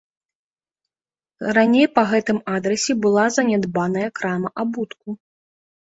Раней па гэтым адрасе была занядбаная крама абутку.